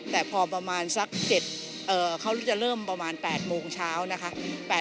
แต่พอประมาณสัก๗เขาจะเริ่มประมาณ๘โมงเช้านะคะ